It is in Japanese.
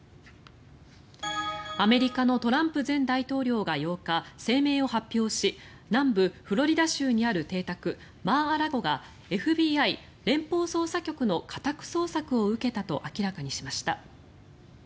アメリカのトランプ前大統領が８日、声明を発表し南部フロリダ州にある邸宅マー・ア・ラゴがＦＢＩ・連邦捜査局の家宅捜索を受けたと明らかにしました。